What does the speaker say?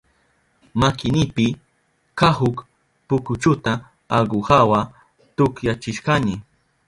Makinipi kahuk pukuchuta aguhawa tukyachishkani.